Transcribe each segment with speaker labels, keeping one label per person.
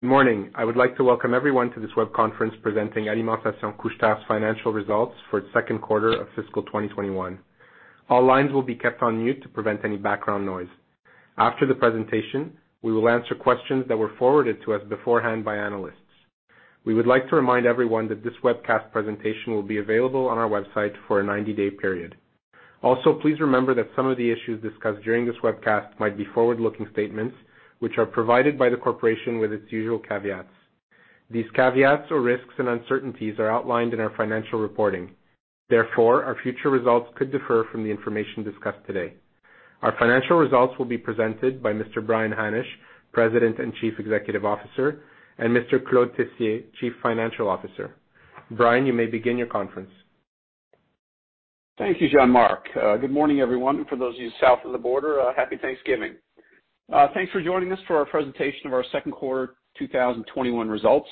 Speaker 1: Good morning. I would like to welcome everyone to this web conference presenting Alimentation Couche-Tard's financial results for its second quarter of fiscal 2021. All lines will be kept on mute to prevent any background noise. After the presentation, we will answer questions that were forwarded to us beforehand by analysts. We would like to remind everyone that this webcast presentation will be available on our website for a 90-day period. Please remember that some of the issues discussed during this webcast might be forward-looking statements, which are provided by the corporation with its usual caveats. These caveats or risks and uncertainties are outlined in our financial reporting. Our future results could differ from the information discussed today. Our financial results will be presented by Mr. Brian Hannasch, President and Chief Executive Officer, and Mr. Claude Tessier, Chief Financial Officer. Brian, you may begin your conference.
Speaker 2: Thank you, Jean Marc. Good morning, everyone, and for those of you south of the border, happy Thanksgiving. Thanks for joining us for our presentation of our second quarter 2021 results.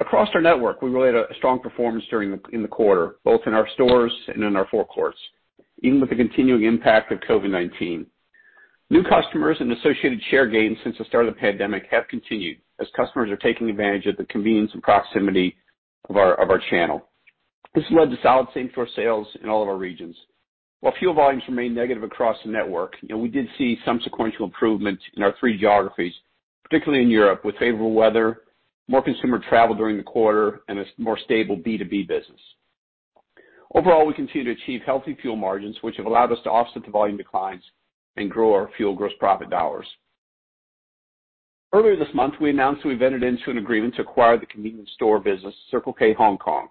Speaker 2: Across our network, we reported a strong performance in the quarter, both in our stores and in our forecourts, even with the continuing impact of COVID-19. New customers and associated share gains since the start of the pandemic have continued as customers are taking advantage of the convenience and proximity of our channel. This led to same-store sales in all of our regions. While fuel volumes remained negative across the network, we did see some sequential improvement in our three geographies, particularly in Europe, with favorable weather, more consumer travel during the quarter, and a more stable B2B business. Overall, we continue to achieve healthy fuel margins, which have allowed us to offset the volume declines and grow our fuel gross profit dollars. Earlier this month, we announced that we've entered into an agreement to acquire the convenience store business, Circle K Hong Kong,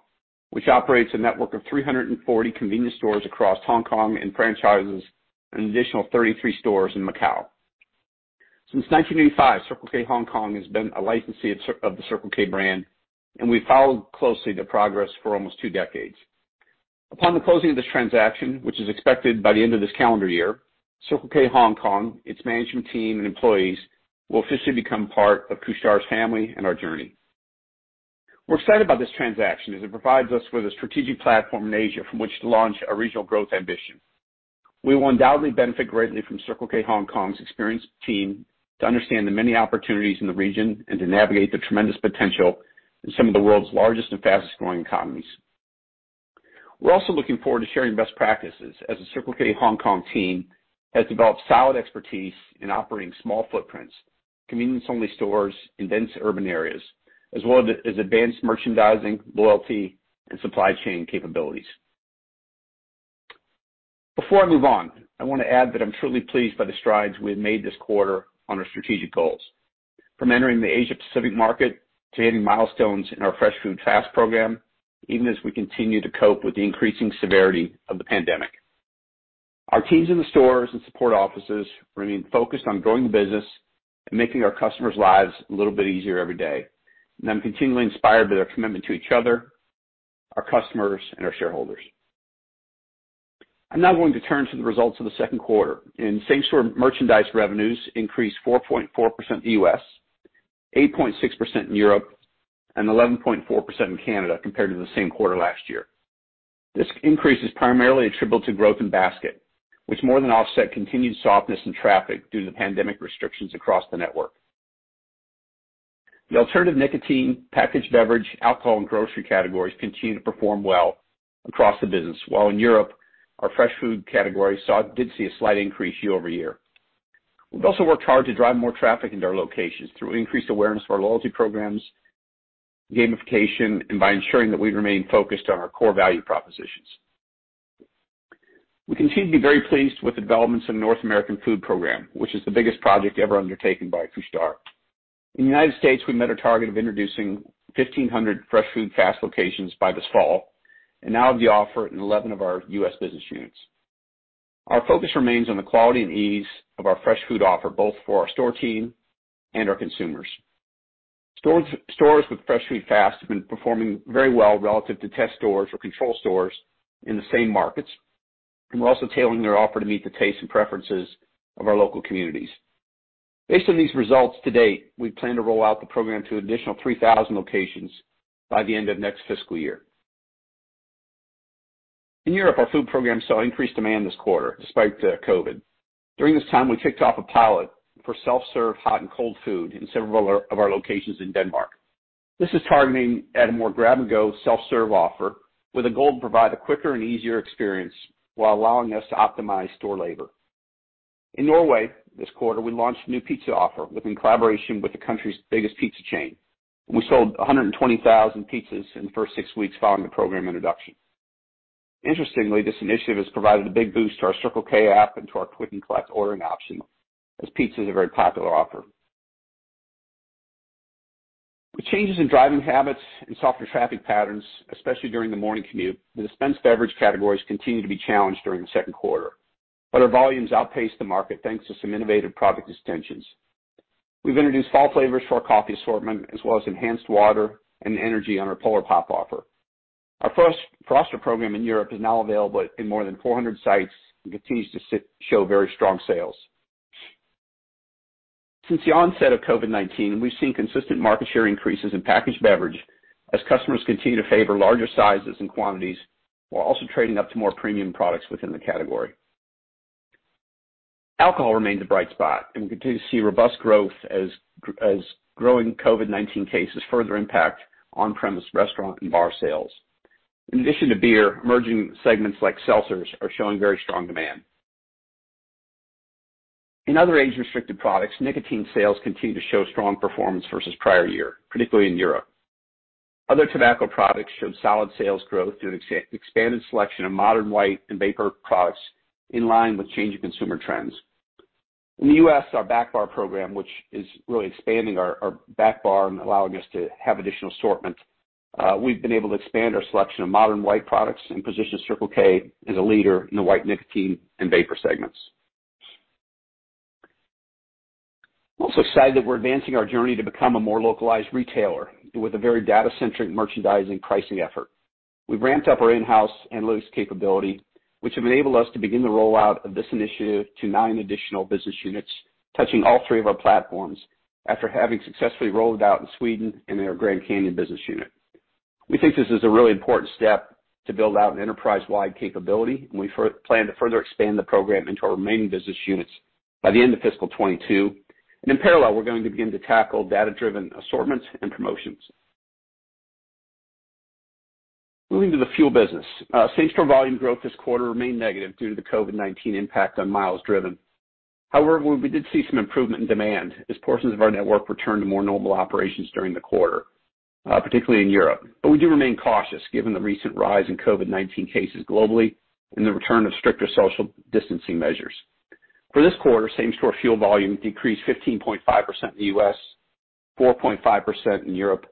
Speaker 2: which operates a network of 340 convenience stores across Hong Kong and franchises an additional 33 stores in Macau. Since 1995, Circle K Hong Kong has been a licensee of the Circle K brand, and we followed closely their progress for almost two decades. Upon the closing of this transaction, which is expected by the end of this calendar year, Circle K Hong Kong, its management team, and employees will officially become part of Couche-Tard's family and our journey. We're excited about this transaction as it provides us with a strategic platform in Asia from which to launch our regional growth ambition. We will undoubtedly benefit greatly from Circle K Hong Kong's experienced team to understand the many opportunities in the region and to navigate the tremendous potential in some of the world's largest and fastest-growing economies. We're also looking forward to sharing best practices as the Circle K Hong Kong team has developed solid expertise in operating small footprints, convenience-only stores in dense urban areas, as well as advanced merchandising, loyalty, and supply chain capabilities. Before I move on, I want to add that I'm truly pleased by the strides we have made this quarter on our strategic goals, from entering the Asia Pacific market to hitting milestones in our Fresh Food, Fast program, even as we continue to cope with the increasing severity of the pandemic. Our teams in the stores and support offices remain focused on growing the business and making our customers' lives a little bit easier every day. I'm continually inspired by their commitment to each other, our customers, and our shareholders. I'm now going to turn to the results of the second quarter. In same-store merchandise revenues increased 4.4% in the U.S., 8.6% in Europe, and 11.4% in Canada compared to the same quarter last year. This increase is primarily attributable to growth in basket, which more than offset continued softness in traffic due to the pandemic restrictions across the network. The alternative nicotine, packaged beverage, alcohol, and grocery categories continue to perform well across the business, while in Europe, our fresh food category did see a slight increase year-over-year. We've also worked hard to drive more traffic into our locations through increased awareness of our loyalty programs, gamification, and by ensuring that we remain focused on our core value propositions. We continue to be very pleased with the developments in the North American food program, which is the biggest project ever undertaken by Couche-Tard. In the U.S., we met a target of introducing 1,500 Fresh Food, Fast locations by this fall and now have the offer in 11 of our U.S. business units. Our focus remains on the quality and ease of our Fresh Food offer, both for our store team and our consumers. Stores with Fresh Food, Fast have been performing very well relative to test stores or control stores in the same markets, and we're also tailoring their offer to meet the tastes and preferences of our local communities. Based on these results to date, we plan to roll out the program to an additional 3,000 locations by the end of next fiscal year. In Europe, our food program saw increased demand this quarter, despite COVID-19. During this time, we kicked off a pilot for self-serve hot and cold food in several of our locations in Denmark. This is targeting at a more grab-and-go self-serve offer with a goal to provide a quicker and easier experience while allowing us to optimize store labor. In Norway this quarter, we launched a new pizza offer within collaboration with the country's biggest pizza chain. We sold 120,000 pizzas in the first six weeks following the program introduction. Interestingly, this initiative has provided a big boost to our Circle K app and to our click and collect ordering option, as pizza is a very popular offer. With changes in driving habits and softer traffic patterns, especially during the morning commute, the dispensed beverage categories continue to be challenged during the second quarter. Our volumes outpaced the market, thanks to some innovative product extensions. We've introduced fall flavors to our coffee assortment as well as enhanced water and energy on our Polar Pop offer. Our Froster program in Europe is now available in more than 400 sites and continues to show very strong sales. Since the onset of COVID-19, we've seen consistent market share increases in packaged beverage as customers continue to favor larger sizes and quantities while also trading up to more premium products within the category. Alcohol remains a bright spot. We continue to see robust growth as growing COVID-19 cases further impact on-premise restaurant and bar sales. In addition to beer, emerging segments like seltzers are showing very strong demand. In other age-restricted products, nicotine sales continue to show strong performance versus prior year, particularly in Europe. Other tobacco products showed solid sales growth through an expanded selection of modern white and vapor products in line with changing consumer trends. In the U.S., our back bar program, which is really expanding our back bar and allowing us to have additional assortment, we've been able to expand our selection of modern white products and position Circle K as a leader in the white nicotine and vapor segments. I'm also excited that we're advancing our journey to become a more localized retailer with a very data-centric merchandising pricing effort. We've ramped up our in-house analyst capability, which have enabled us to begin the rollout of this initiative to nine additional business units, touching all three of our platforms, after having successfully rolled it out in Sweden and in our Grand Canyon business unit. We think this is a really important step to build out an enterprise-wide capability. We plan to further expand the program into our remaining business units by the end of fiscal 2022. In parallel, we're going to begin to tackle data-driven assortments and promotions. Moving to the fuel business. Same-store volume growth this quarter remained negative due to the COVID-19 impact on miles driven. However, we did see some improvement in demand as portions of our network returned to more normal operations during the quarter, particularly in Europe. We do remain cautious given the recent rise in COVID-19 cases globally and the return of stricter social distancing measures. For this quarter, same-store fuel volume decreased 15.5% in the U.S., 4.5% in Europe,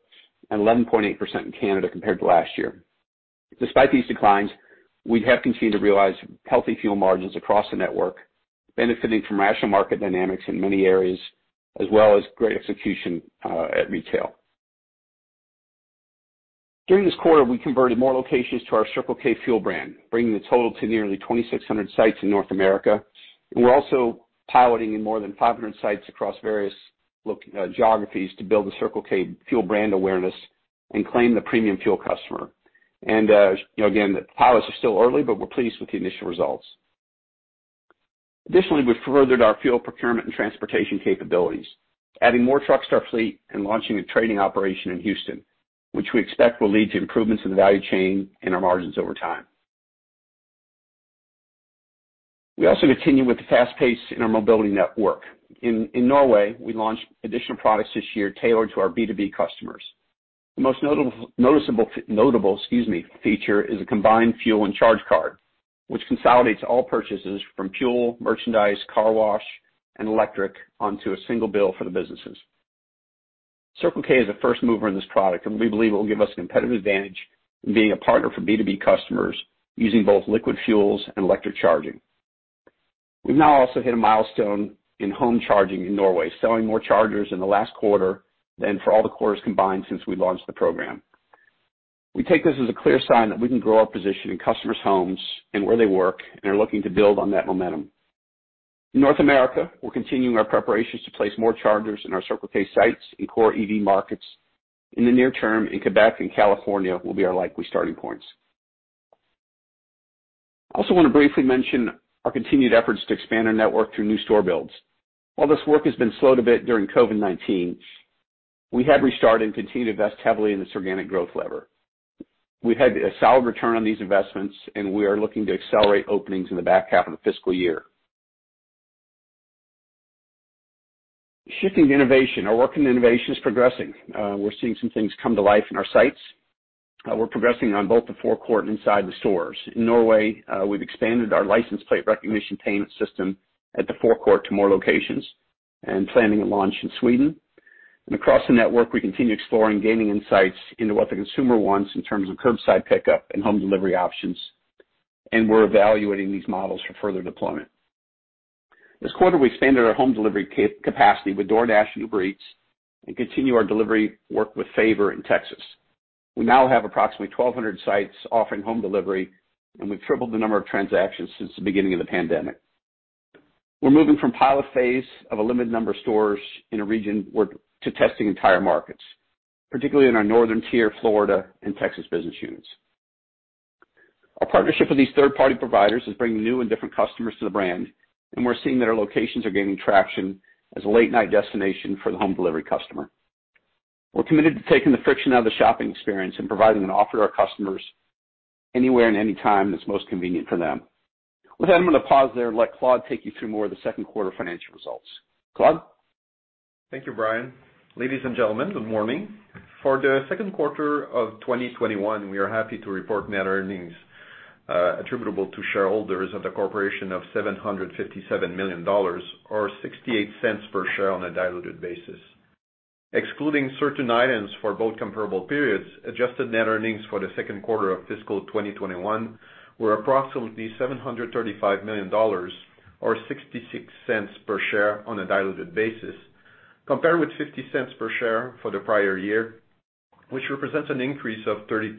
Speaker 2: and 11.8% in Canada compared to last year. Despite these declines, we have continued to realize healthy fuel margins across the network, benefiting from rational market dynamics in many areas, as well as great execution at retail. During this quarter, we converted more locations to our Circle K Fuel brand, bringing the total to nearly 2,600 sites in North America. We're also piloting in more than 500 sites across various geographies to build the Circle K Fuel brand awareness and claim the premium fuel customer. Again, the pilots are still early, but we're pleased with the initial results. Additionally, we've furthered our fuel procurement and transportation capabilities, adding more trucks to our fleet and launching a trading operation in Houston, which we expect will lead to improvements in the value chain and our margins over time. We also continue with the fast pace in our mobility network. In Norway, we launched additional products this year tailored to our B2B customers. The most notable feature is a combined fuel and charge card, which consolidates all purchases from fuel, merchandise, car wash, and electric onto a single bill for the businesses. Circle K is a first mover in this product, and we believe it will give us a competitive advantage in being a partner for B2B customers using both liquid fuels and electric charging. We've now also hit a milestone in home charging in Norway, selling more chargers in the last quarter than for all the quarters combined since we launched the program. We take this as a clear sign that we can grow our position in customers' homes and where they work and are looking to build on that momentum. In North America, we're continuing our preparations to place more chargers in our Circle K sites in core EV markets. In the near term, in Quebec and California will be our likely starting points. I also want to briefly mention our continued efforts to expand our network through new store builds. While this work has been slowed a bit during COVID-19, we have restarted and continue to invest heavily in this organic growth lever. We've had a solid return on these investments. We are looking to accelerate openings in the back half of the fiscal year. Shifting to innovation, our work in innovation is progressing. We're seeing some things come to life in our sites. We're progressing on both the forecourt and inside the stores. In Norway, we've expanded our license plate recognition payment system at the forecourt to more locations and planning a launch in Sweden. Across the network, we continue exploring gaining insights into what the consumer wants in terms of curbside pickup and home delivery options, and we're evaluating these models for further deployment. This quarter, we expanded our home delivery capacity with DoorDash and Uber Eats and continue our delivery work with Favor in Texas. We now have approximately 1,200 sites offering home delivery, and we've tripled the number of transactions since the beginning of the pandemic. We're moving from pilot phase of a limited number of stores in a region to testing entire markets, particularly in our Northern Tier, Florida, and Texas business units. Our partnership with these third-party providers is bringing new and different customers to the brand, and we're seeing that our locations are gaining traction as a late-night destination for the home delivery customer. We're committed to taking the friction out of the shopping experience and providing an offer to our customers anywhere and any time that's most convenient for them. With that, I'm going to pause there and let Claude take you through more of the second quarter financial results. Claude?
Speaker 3: Thank you, Brian. Ladies and gentlemen, good morning. For the second quarter of 2021, we are happy to report net earnings attributable to shareholders of the corporation of 757 million dollars, or 0.68 per share on a diluted basis. Excluding certain items for both comparable periods, adjusted net earnings for the second quarter of fiscal 2021 were approximately 735 million dollars, or 0.66 per share on a diluted basis, compared with 0.50 per share for the prior year, which represents an increase of 32%.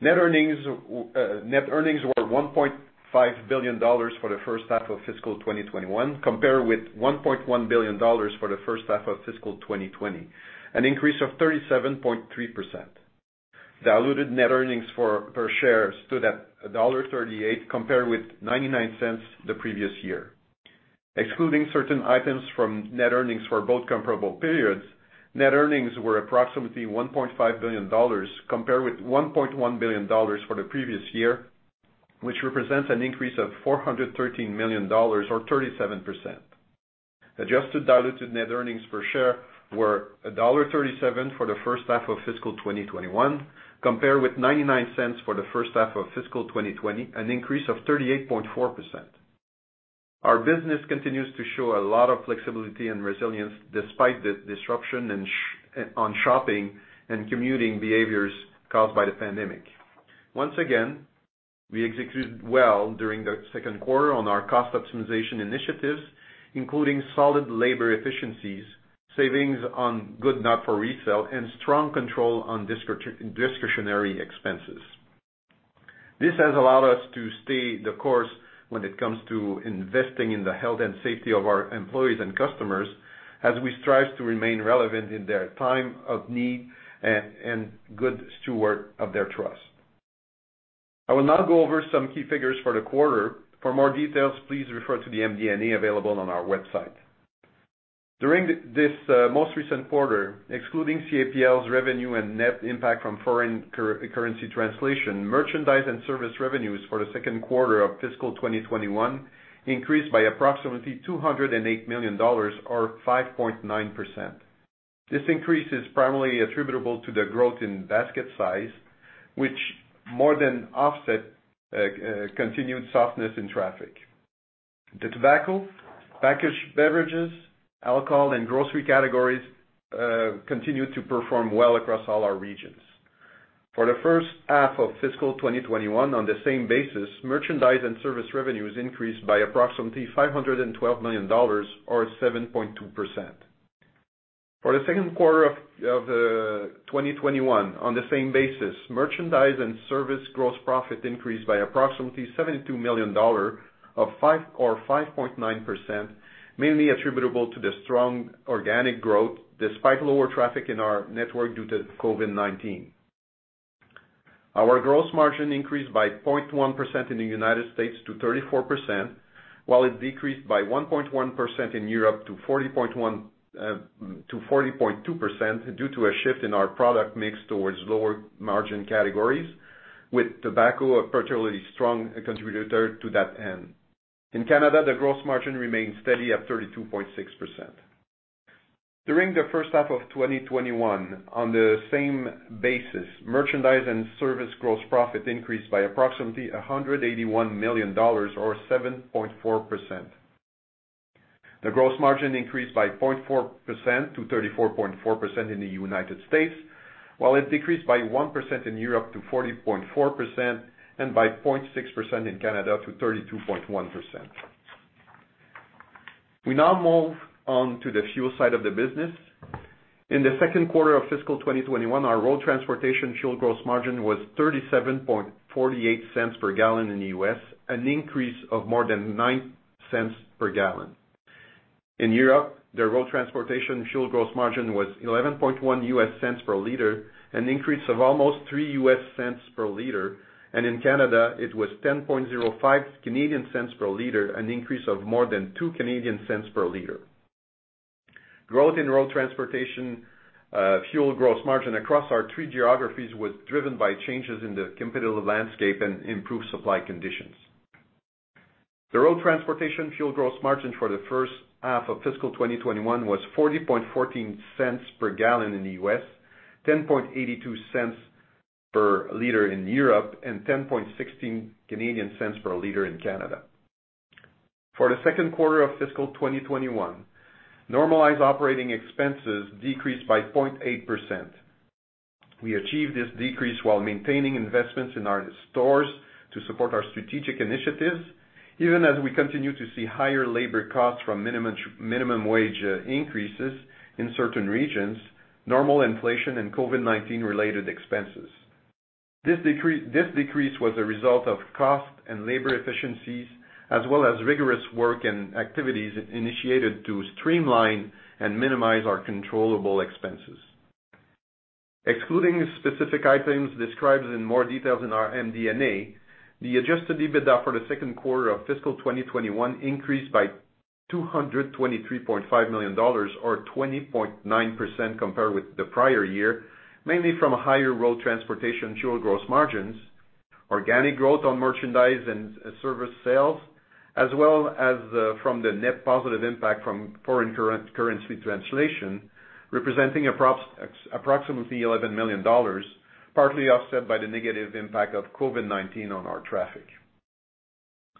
Speaker 3: Net earnings were 1.5 billion dollars for the first half of fiscal 2021, compared with 1.1 billion dollars for the first half of fiscal 2020, an increase of 37.3%. The diluted net earnings per share stood at dollar 1.38 compared with 0.99 the previous year. Excluding certain items from net earnings for both comparable periods, net earnings were approximately 1.5 billion dollars, compared with 1.1 billion dollars for the previous year, which represents an increase of 413 million dollars or 37%. Adjusted diluted net earnings per share were dollar 1.37 for the first half of fiscal 2021, compared with 0.99 for the first half of fiscal 2020, an increase of 38.4%. Our business continues to show a lot of flexibility and resilience despite the disruption on shopping and commuting behaviors caused by the pandemic. Once again, we executed well during the second quarter on our cost optimization initiatives, including solid labor efficiencies, savings on goods not for resale, and strong control on discretionary expenses. This has allowed us to stay the course when it comes to investing in the health and safety of our employees and customers as we strive to remain relevant in their time of need and good steward of their trust. I will now go over some key figures for the quarter. For more details, please refer to the MD&A available on our website. During this most recent quarter, excluding CAPL's revenue and net impact from foreign currency translation, merchandise and service revenues for the second quarter of fiscal 2021 increased by approximately 208 million dollars or 5.9%. This increase is primarily attributable to the growth in basket size, which more than offset continued softness in traffic. The tobacco, packaged beverages, alcohol, and grocery categories continue to perform well across all our regions. For the first half of fiscal 2021, on the same basis, merchandise and service revenues increased by approximately 512 million dollars or 7.2%. For the second quarter of 2021 on the same basis, merchandise and service gross profit increased by approximately 72 million dollar or 5.9%, mainly attributable to the strong organic growth despite lower traffic in our network due to COVID-19. Our gross margin increased by 0.1% in the U.S. to 34%, while it decreased by 1.1% in Europe to 40.2% due to a shift in our product mix towards lower margin categories, with tobacco a particularly strong contributor to that end. In Canada, the gross margin remains steady at 32.6%. During the first half of 2021, on the same basis, merchandise and service gross profit increased by approximately 181 million dollars or 7.4%. The gross margin increased by 0.4% to 34.4% in the U.S., while it decreased by 1% in Europe to 40.4% and by 0.6% in Canada to 32.1%. We now move on to the fuel side of the business. In the second quarter of fiscal 2021, our road transportation fuel gross margin was $0.3748 per gallon in the U.S., an increase of more than $0.09 per gallon. In Europe, the road transportation fuel gross margin was $0.111 per liter, an increase of almost $0.03 per liter. In Canada, it was 0.1005 per liter, an increase of more than 0.02 per liter. Growth in road transportation fuel gross margin across our three geographies was driven by changes in the competitive landscape and improved supply conditions. The road transportation fuel gross margin for the first half of fiscal 2021 was $0.4014 per gallon in the U.S., 0.1082 per liter in Europe, and 0.1016 per liter in Canada. For the second quarter of fiscal 2021, normalized operating expenses decreased by 0.8%. We achieved this decrease while maintaining investments in our stores to support our strategic initiatives even as we continue to see higher labor costs from minimum wage increases in certain regions, normal inflation and COVID-19 related expenses. This decrease was a result of cost and labor efficiencies as well as rigorous work and activities initiated to streamline and minimize our controllable expenses. Excluding specific items described in more details in our MD&A, the adjusted EBITDA for the second quarter of fiscal 2021 increased by 223.5 million dollars or 20.9% compared with the prior year, mainly from higher road transportation fuel gross margins, organic growth on merchandise and service sales, as well as from the net positive impact from foreign currency translation representing approximately 11 million dollars, partly offset by the negative impact of COVID-19 on our traffic.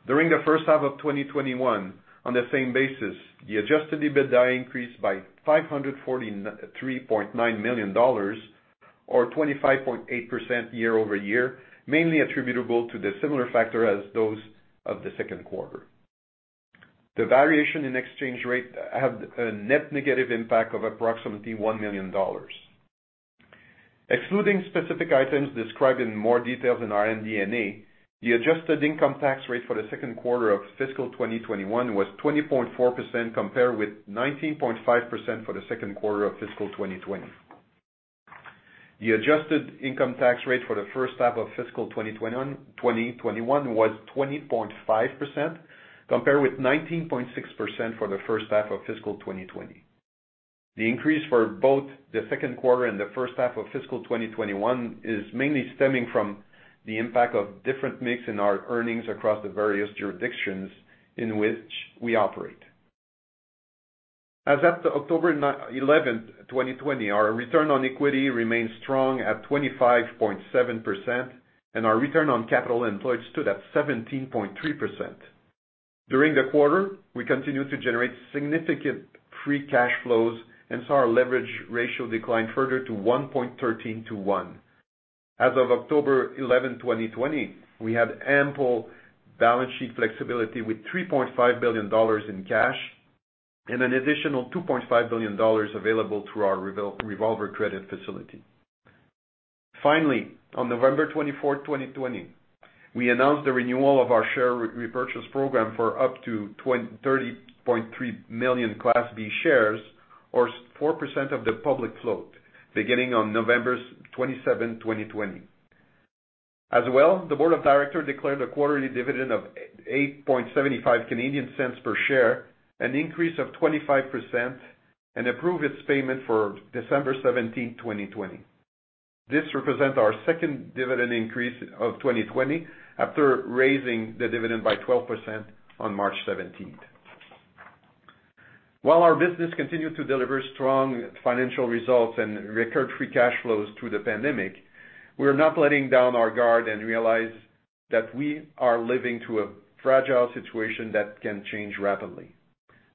Speaker 3: During the first half of 2021, on the same basis, the adjusted EBITDA increased by 543.9 million dollars or 25.8% year over year, mainly attributable to the similar factor as those of the second quarter. The variation in exchange rate had a net negative impact of approximately 1 million dollars. Excluding specific items described in more details in our MD&A, the adjusted income tax rate for the second quarter of fiscal 2021 was 20.4% compared with 19.5% for the second quarter of fiscal 2020. The adjusted income tax rate for the first half of fiscal 2021 was 20.5%, compared with 19.6% for the first half of fiscal 2020. The increase for both the second quarter and the first half of fiscal 2021 is mainly stemming from the impact of different mix in our earnings across the various jurisdictions in which we operate. As at October 11th, 2020, our return on equity remains strong at 25.7%, and our return on capital employed stood at 17.3%. During the quarter, we continued to generate significant free cash flows and saw our leverage ratio decline further to 1.13:1. As of October 11, 2020, we had ample balance sheet flexibility with 3.5 billion dollars in cash and an additional 2.5 billion dollars available through our revolver credit facility. Finally, on November 24, 2020, we announced the renewal of our share repurchase program for up to 30.3 million Class B shares or 4% of the public float beginning on November 27, 2020. As well, the board of directors declared a quarterly dividend of 0.0875 per share, an increase of 25%, and approved its payment for December 17th, 2020. This represents our second dividend increase of 2020 after raising the dividend by 12% on March 17th. While our business continued to deliver strong financial results and record free cash flows through the pandemic, we're not letting down our guard and realize that we are living through a fragile situation that can change rapidly.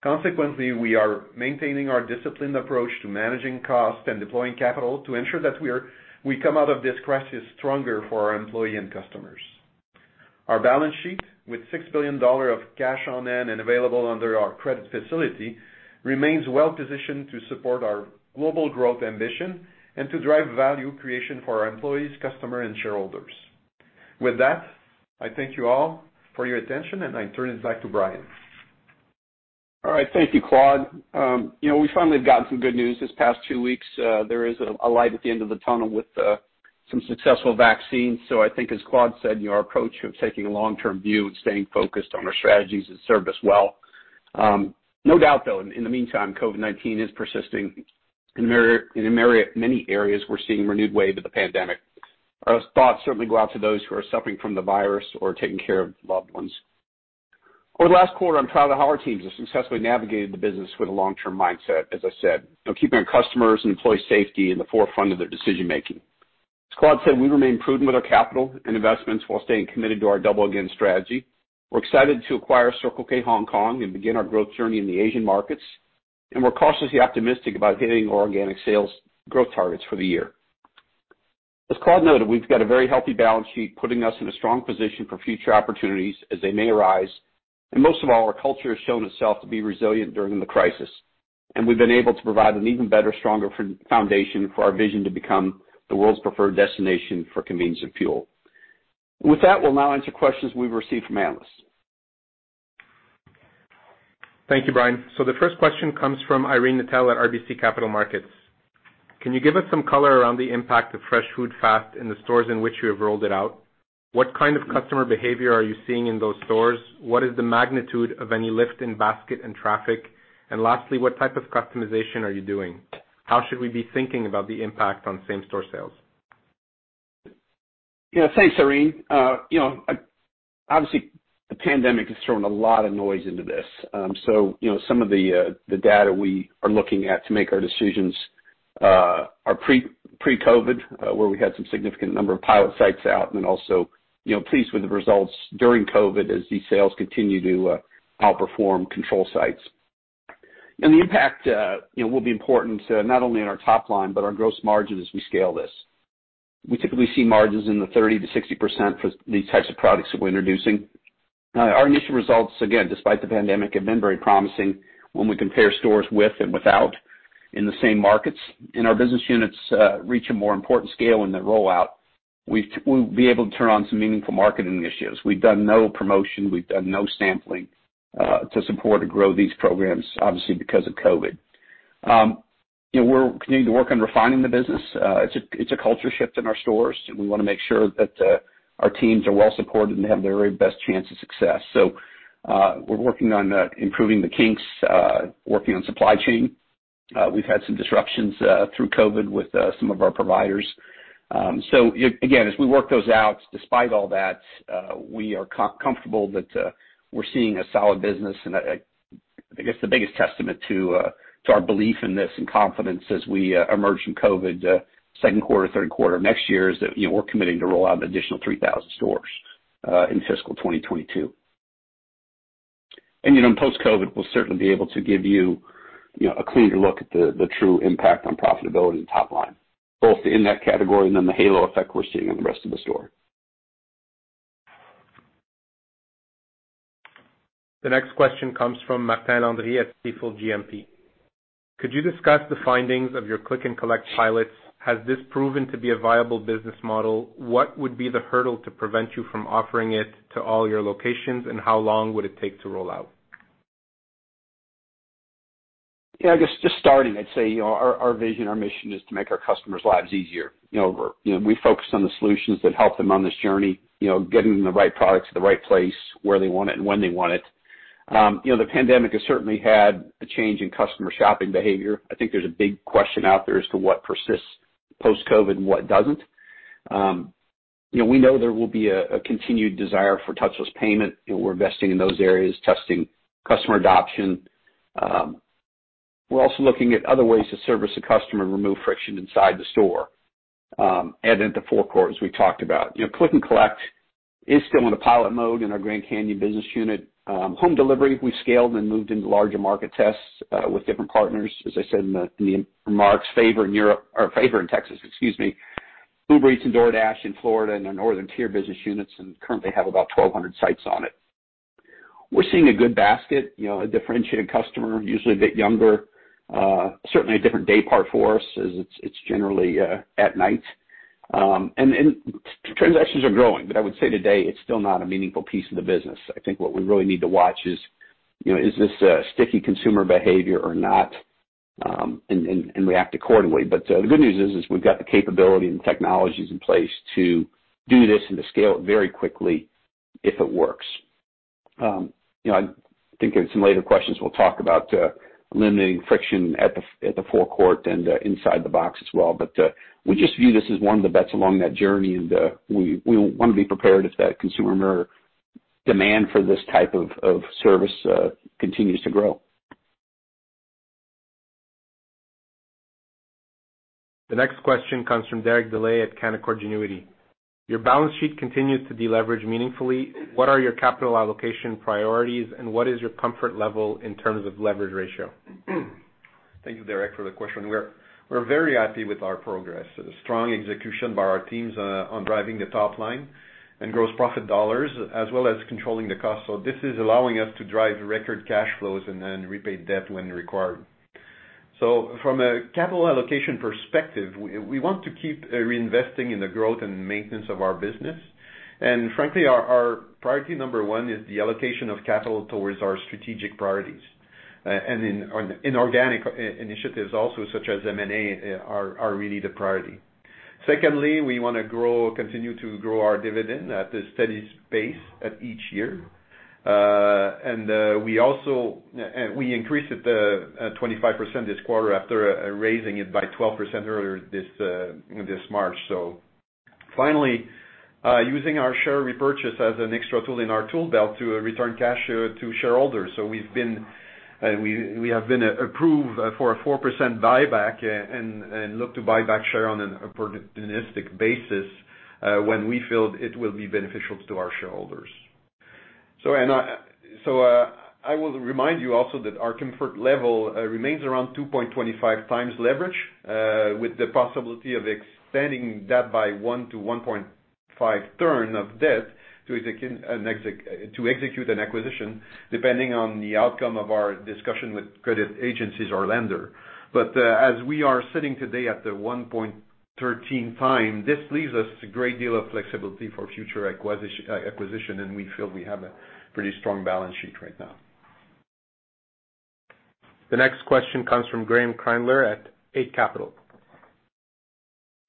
Speaker 3: Consequently, we are maintaining our disciplined approach to managing costs and deploying capital to ensure that we come out of this crisis stronger for our employee and customers. Our balance sheet, with 6 billion dollars of cash on hand and available under our credit facility, remains well-positioned to support our global growth ambition and to drive value creation for our employees, customer, and shareholders. With that, I thank you all for your attention, and I turn it back to Brian.
Speaker 2: All right. Thank you, Claude. We finally have gotten some good news this past two weeks. There is a light at the end of the tunnel with some successful vaccines. I think as Claude said, our approach of taking a long-term view and staying focused on our strategies has served us well. No doubt, though, in the meantime, COVID-19 is persisting. In many areas, we're seeing renewed wave of the pandemic. Our thoughts certainly go out to those who are suffering from the virus or taking care of loved ones. Over the last quarter, I'm proud of how our teams have successfully navigated the business with a long-term mindset, as I said, keeping our customers' and employee safety in the forefront of their decision-making. As Claude said, we remain prudent with our capital and investments while staying committed to our Double Again strategy. We're excited to acquire Circle K Hong Kong and begin our growth journey in the Asian markets. We're cautiously optimistic about hitting our organic sales growth targets for the year. As Claude noted, we've got a very healthy balance sheet, putting us in a strong position for future opportunities as they may arise. Most of all, our culture has shown itself to be resilient during the crisis, and we've been able to provide an even better, stronger foundation for our vision to become the world's preferred destination for convenience and fuel. With that, we'll now answer questions we've received from analysts.
Speaker 1: Thank you, Brian. The first question comes from Irene Nattel at RBC Capital Markets. Can you give us some color around the impact of Fresh Food, Fast in the stores in which you have rolled it out? What kind of customer behavior are you seeing in those stores? What is the magnitude of any lift in basket and traffic? Lastly, what type of customization are you doing? How should we be thinking about the impact on same-store sales?
Speaker 2: Thanks, Irene. Obviously, the COVID-19 has thrown a lot of noise into this. Some of the data we are looking at to make our decisions are pre-COVID-19, where we had some significant number of pilot sites out and then also pleased with the results during COVID-19 as these sales continue to outperform control sites. The impact will be important not only in our top line but our gross margin as we scale this. We typically see margins in the 30%-60% for these types of products that we're introducing. Our initial results, again, despite the COVID-19, have been very promising when we compare stores with and without in the same markets. Our business units reach a more important scale in their rollout. We'll be able to turn on some meaningful marketing initiatives. We've done no promotion, we've done no sampling to support or grow these programs, obviously because of COVID-19. We're continuing to work on refining the business. It's a culture shift in our stores. We want to make sure that our teams are well supported and have their very best chance of success. We're working on improving the kinks, working on supply chain. We've had some disruptions through COVID-19 with some of our providers. Again, as we work those out, despite all that, we are comfortable that we're seeing a solid business. I guess the biggest testament to our belief in this and confidence as we emerge from COVID-19 second quarter, third quarter next year is that we're committing to roll out an additional 3,000 stores in fiscal 2022. Post-COVID, we'll certainly be able to give you a cleaner look at the true impact on profitability and top line, both in that category and then the halo effect we're seeing on the rest of the store.
Speaker 1: The next question comes from Martin Landry at Stifel GMP. Could you discuss the findings of your click and collect pilots? Has this proven to be a viable business model? What would be the hurdle to prevent you from offering it to all your locations, and how long would it take to roll out?
Speaker 2: I guess just starting, I'd say our vision, our mission is to make our customers' lives easier. We focus on the solutions that help them on this journey, getting the right products to the right place, where they want it and when they want it. The pandemic has certainly had a change in customer shopping behavior. I think there's a big question out there as to what persists post-COVID-19 and what doesn't. We know there will be a continued desire for touchless payment. We're investing in those areas, testing customer adoption. We're also looking at other ways to service the customer and remove friction inside the store, and in the forecourt, as we talked about. Click and collect is still in a pilot mode in our Grand Canyon business unit. Home delivery, we've scaled and moved into larger market tests with different partners, as I said in the remarks, Favor in Texas, excuse me, Uber Eats and DoorDash in Florida in our Northern Tier business units, and currently have about 1,200 sites on it. We're seeing a good basket, a differentiated customer, usually a bit younger. Certainly, a different day part for us, as it's generally at night. Transactions are growing. I would say today, it's still not a meaningful piece of the business. I think what we really need to watch is this sticky consumer behavior or not? React accordingly. The good news is we've got the capability and the technologies in place to do this and to scale it very quickly if it works. I think in some later questions we'll talk about limiting friction at the forecourt and inside the box as well. We just view this as one of the bets along that journey, and we want to be prepared if that consumer demand for this type of service continues to grow.
Speaker 1: The next question comes from Derek Dley at Canaccord Genuity. Your balance sheet continues to deleverage meaningfully. What are your capital allocation priorities, and what is your comfort level in terms of leverage ratio?
Speaker 3: Thank you, Derek, for the question. We're very happy with our progress. A strong execution by our teams on driving the top line and gross profit dollars, as well as controlling the cost. This is allowing us to drive record cash flows and repay debt when required. From a capital allocation perspective, we want to keep reinvesting in the growth and maintenance of our business. Frankly, our priority number one is the allocation of capital towards our strategic priorities. Inorganic initiatives also, such as M&A, are really the priority. Secondly, we want to continue to grow our dividend at a steady pace at each year. We increased it 25% this quarter after raising it by 12% earlier this March. Finally, using our share repurchase as an extra tool in our tool belt to return cash to shareholders. We have been approved for a 4% buyback and look to buy back share on an opportunistic basis when we feel it will be beneficial to our shareholders. I will remind you also that our comfort level remains around 2.25x leverage, with the possibility of expanding that by 1 to 1.5 turn of debt to execute an acquisition, depending on the outcome of our discussion with credit agencies or lender. As we are sitting today at the 1.13x, this leaves us a great deal of flexibility for future acquisition, and we feel we have a pretty strong balance sheet right now.
Speaker 1: The next question comes from Graeme Kreindler at Eight Capital.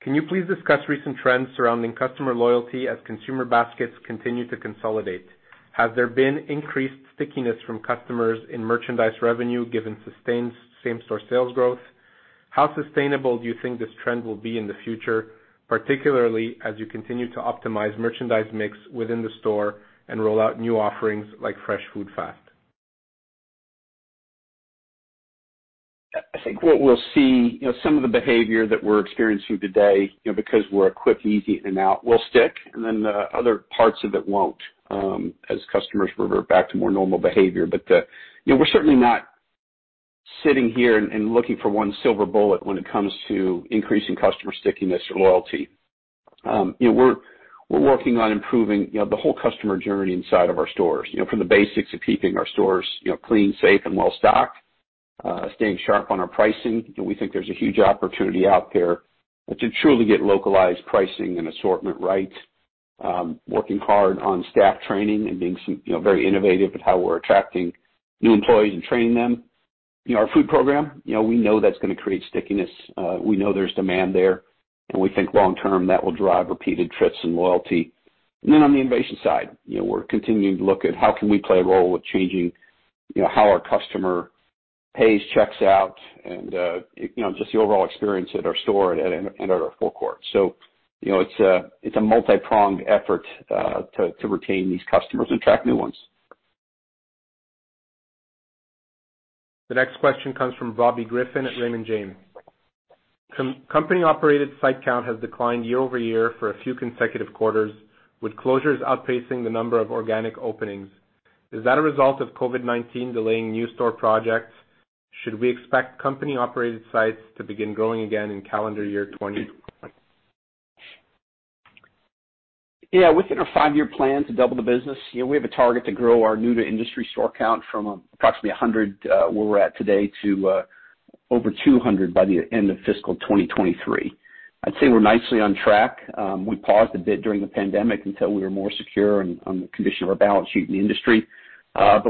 Speaker 1: Can you please discuss recent trends surrounding customer loyalty as consumer baskets continue to consolidate? Has there been increased stickiness from customers in merchandise revenue given sustained same-store sales growth? How sustainable do you think this trend will be in the future, particularly as you continue to optimize merchandise mix within the store and roll out new offerings like Fresh Food, Fast?
Speaker 2: I think what we'll see, some of the behavior that we're experiencing today, because we're a quick, easy in and out, will stick, and then other parts of it won't as customers revert back to more normal behavior. We're certainly not sitting here and looking for one silver bullet when it comes to increasing customer stickiness or loyalty. We're working on improving the whole customer journey inside of our stores, from the basics of keeping our stores clean, safe, and well-stocked, staying sharp on our pricing. We think there's a huge opportunity out there to truly get localized pricing and assortment right. Working hard on staff training and being very innovative with how we're attracting new employees and training them. Our food program, we know that's going to create stickiness. We know there's demand there, and we think long term, that will drive repeated trips and loyalty. On the innovation side, we're continuing to look at how can we play a role with changing how our customer pays, checks out, and just the overall experience at our store and at our forecourt. It's a multi-pronged effort to retain these customers and attract new ones.
Speaker 1: The next question comes from Bobby Griffin at Raymond James. Company-operated site count has declined year-over-year for a few consecutive quarters with closures outpacing the number of organic openings. Is that a result of COVID-19 delaying new store projects? Should we expect company-operated sites to begin growing again in calendar year 2020?
Speaker 2: Within our five-year plan to double the business, we have a target to grow our new-to-industry store count from approximately 100, where we're at today, to over 200 by the end of fiscal 2023. I'd say we're nicely on track. We paused a bit during the pandemic until we were more secure on the condition of our balance sheet in the industry.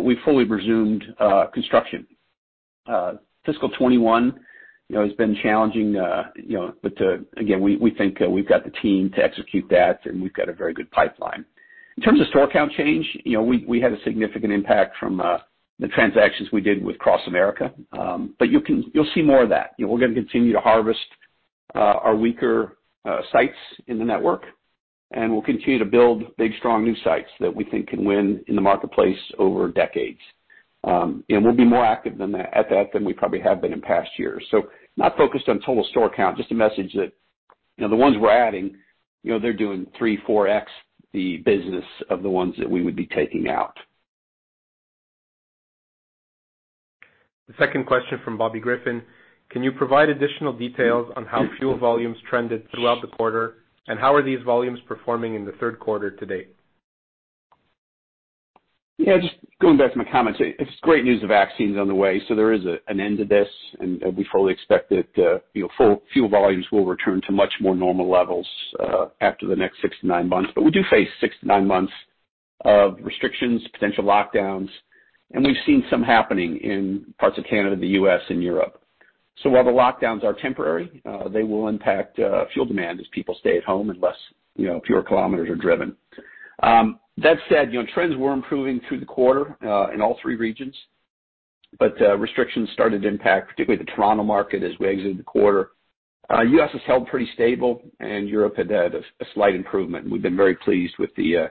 Speaker 2: We've fully resumed construction. Fiscal 2021 has been challenging, again, we think we've got the team to execute that, and we've got a very good pipeline. In terms of store count change, we had a significant impact from the transactions we did with CrossAmerica. You'll see more of that. We're going to continue to harvest our weaker sites in the network, and we'll continue to build big, strong new sites that we think can win in the marketplace over decades. We'll be more active at that than we probably have been in past years. Not focused on total store count, just a message that the ones we're adding, they're doing three, 4x the business of the ones that we would be taking out.
Speaker 1: The second question from Bobby Griffin. Can you provide additional details on how fuel volumes trended throughout the quarter, and how are these volumes performing in the third quarter to date?
Speaker 2: Yeah, just going back to my comments. It's great news the vaccine's on the way, so there is an end to this, and we fully expect that fuel volumes will return to much more normal levels after the next six to nine months. We do face six to nine months of restrictions, potential lockdowns, and we've seen some happening in parts of Canada, the U.S., and Europe. While the lockdowns are temporary, they will impact fuel demand as people stay at home and fewer kilometers are driven. That said, trends were improving through the quarter, in all 3 regions. Restrictions started to impact particularly the Toronto market as we exited the quarter. U.S. has held pretty stable, and Europe had had a slight improvement, and we've been very pleased with the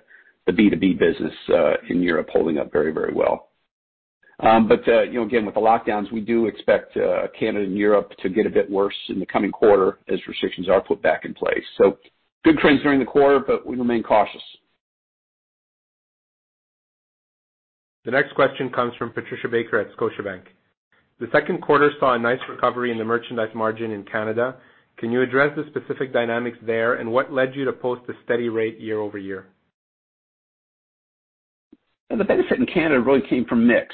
Speaker 2: B2B business in Europe holding up very well. Again, with the lockdowns, we do expect Canada and Europe to get a bit worse in the coming quarter as restrictions are put back in place. Good trends during the quarter, but we remain cautious.
Speaker 1: The next question comes from Patricia Baker at Scotiabank. The second quarter saw a nice recovery in the merchandise margin in Canada. Can you address the specific dynamics there, and what led you to post a steady rate year-over-year?
Speaker 2: The benefit in Canada really came from mix,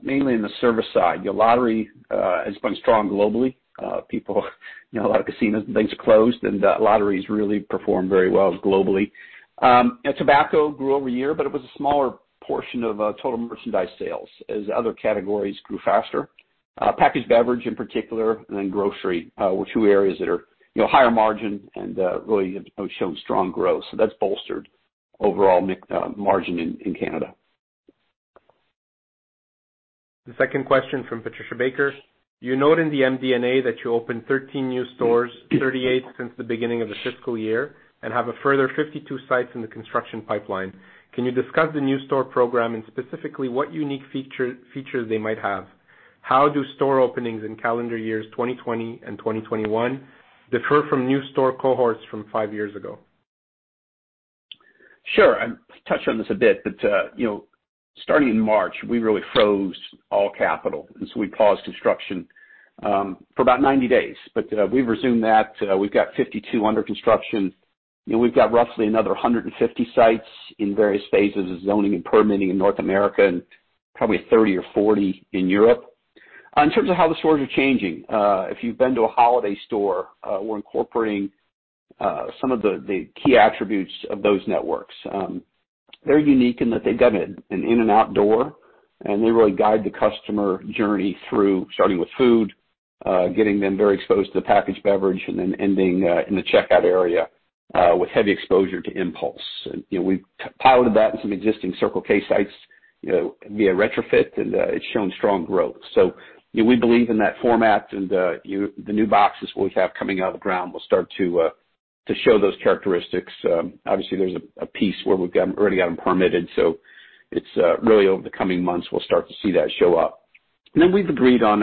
Speaker 2: mainly in the service side. Lottery has been strong globally. A lot of casinos and things are closed, and lotteries really performed very well globally. Tobacco grew over year, but it was a smaller portion of total merchandise sales as other categories grew faster. Packaged beverage in particular, and then grocery, were two areas that are higher margin and really have shown strong growth. That's bolstered overall margin in Canada.
Speaker 1: The second question from Patricia Baker. You note in the MD&A that you opened 13 new stores, 38 since the beginning of the fiscal year, and have a further 52 sites in the construction pipeline. Can you discuss the new store program and specifically what unique features they might have? How do store openings in calendar years 2020 and 2021 differ from new store cohorts from five years ago?
Speaker 2: Sure. I touched on this a bit, Starting in March, we really froze all capital. We paused construction for about 90 days. We've resumed that. We've got 52 under construction, and we've got roughly another 150 sites in various phases of zoning and permitting in North America, and probably 30 or 40 in Europe. In terms of how the stores are changing, if you've been to a Holiday Stationstores, we're incorporating some of the key attributes of those networks. They're unique in that they've got an in and out door, and they really guide the customer journey through, starting with food, getting them very exposed to the packaged beverage, and then ending in the checkout area, with heavy exposure to impulse. We've piloted that in some existing Circle K sites via retrofit, and it's shown strong growth. We believe in that format and the new boxes we have coming out of the ground will start to show those characteristics. Obviously, there's a piece where we've already got them permitted. It's really over the coming months we'll start to see that show up. We've agreed on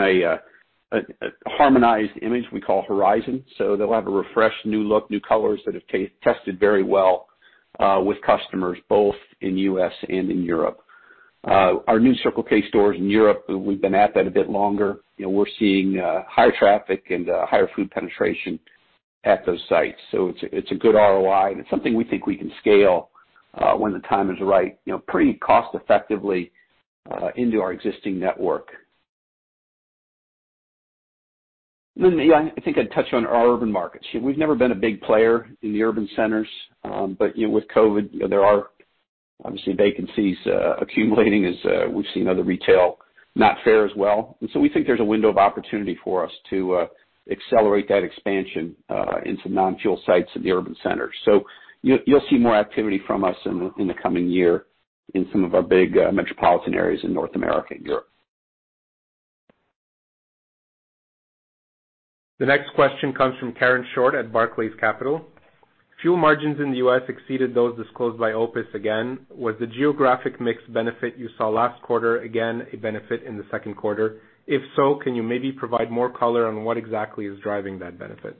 Speaker 2: a harmonized image we call Horizon. They'll have a refreshed new look, new colors that have tested very well with customers both in U.S. and in Europe. Our new Circle K stores in Europe, we've been at that a bit longer. We're seeing higher traffic and higher food penetration at those sites. It's a good ROI, and it's something we think we can scale, when the time is right, pretty cost-effectively into our existing network. Yeah, I think I touched on our urban markets. We've never been a big player in the urban centers. With COVID-19, there are obviously vacancies accumulating as we've seen other retail not fare as well. We think there's a window of opportunity for us to accelerate that expansion into non-fuel sites in the urban centers. You'll see more activity from us in the coming year in some of our big metropolitan areas in North America and Europe.
Speaker 1: The next question comes from Karen Short at Barclays Capital. Fuel margins in the U.S. exceeded those disclosed by OPIS again. Was the geographic mix benefit you saw last quarter again a benefit in the second quarter? If so, can you maybe provide more color on what exactly is driving that benefit?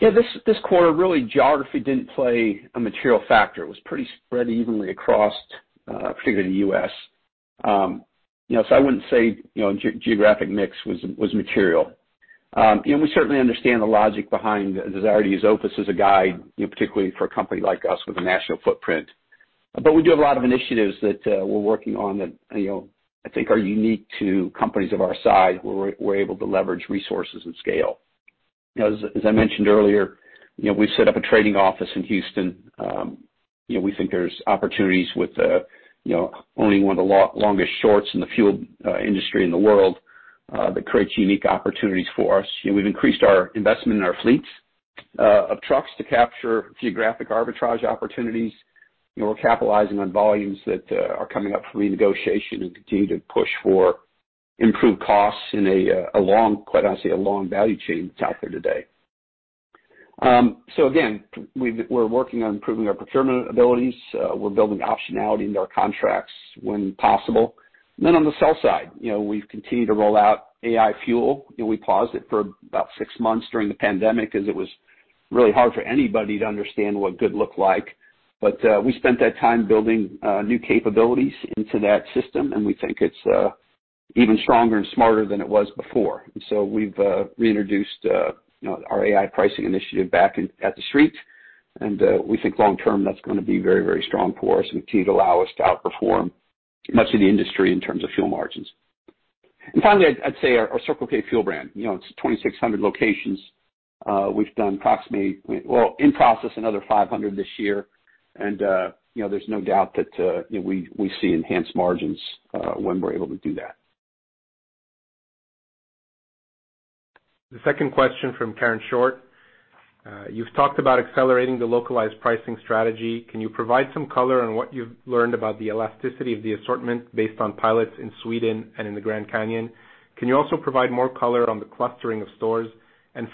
Speaker 2: Yeah, this quarter, really geography didn't play a material factor. It was pretty spread evenly across, particularly the U.S. I wouldn't say geographic mix was material. We certainly understand the logic behind the desire to use OPIS as a guide, particularly for a company like us with a national footprint. We do have a lot of initiatives that we're working on that I think are unique to companies of our size, where we're able to leverage resources and scale. As I mentioned earlier, we've set up a trading office in Houston. We think there's opportunities with owning one of the longest shorts in the fuel industry in the world. That creates unique opportunities for us. We've increased our investment in our fleets of trucks to capture geographic arbitrage opportunities. We're capitalizing on volumes that are coming up for renegotiation and continue to push for improved costs in, quite honestly, a long value chain that's out there today. Again, we're working on improving our procurement abilities. We're building optionality into our contracts when possible. On the sell side, we've continued to roll out AI Fuel. We paused it for about six months during the pandemic because it was really hard for anybody to understand what good looked like. We spent that time building new capabilities into that system, and we think it's even stronger and smarter than it was before. We've reintroduced our AI pricing initiative back at the street, and we think long term, that's going to be very strong for us and continue to allow us to outperform much of the industry in terms of fuel margins. Finally, I'd say our Circle K Fuel brand. It's 2,600 locations. We've done in process another 500 this year, and there's no doubt that we see enhanced margins when we're able to do that.
Speaker 1: The second question from Karen Short. You've talked about accelerating the localized pricing strategy. Can you provide some color on what you've learned about the elasticity of the assortment based on pilots in Sweden and in the Grand Canyon? Can you also provide more color on the clustering of stores?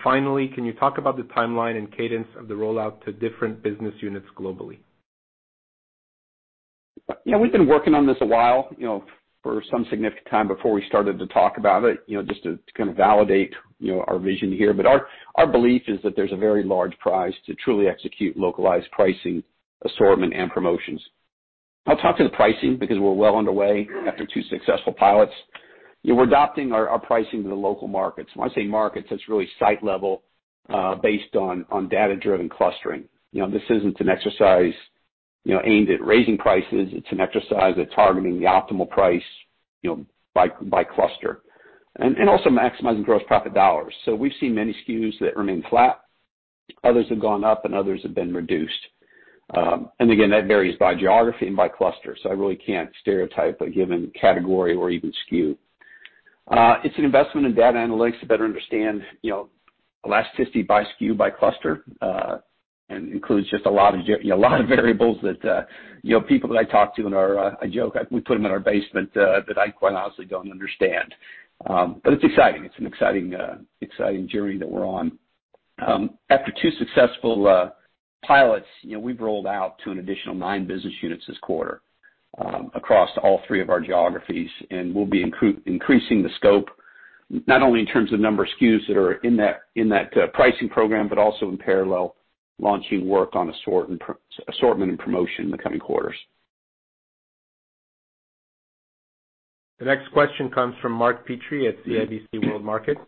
Speaker 1: Finally, can you talk about the timeline and cadence of the rollout to different business units globally?
Speaker 2: We've been working on this a while, for some significant time before we started to talk about it, just to kind of validate our vision here. Our belief is that there's a very large prize to truly execute localized pricing, assortment, and promotions. I'll talk to the pricing because we're well underway after two successful pilots. We're adapting our pricing to the local markets. When I say markets, that's really site level, based on data-driven clustering. This isn't an exercise aimed at raising prices. It's an exercise at targeting the optimal price by cluster. Also maximizing gross profit dollars. We've seen many SKUs that remain flat, others have gone up, and others have been reduced. Again, that varies by geography and by cluster, I really can't stereotype a given category or even SKU. It's an investment in data analytics to better understand elasticity by SKU, by cluster, and includes just a lot of variables that people that I talk to in our-- I joke, we put them in our basement, that I quite honestly don't understand. It's exciting. It's an exciting journey that we're on. After two successful pilots, we've rolled out to an additional nine business units this quarter across all three of our geographies, and we'll be increasing the scope, not only in terms of number of SKUs that are in that pricing program but also in parallel, launching work on assortment and promotion in the coming quarters.
Speaker 1: The next question comes from Mark Petrie at CIBC World Markets.